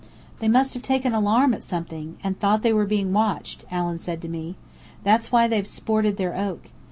"They must have taken alarm at something, and thought they were being watched," Allen said to me. "That's why they've sported their oak.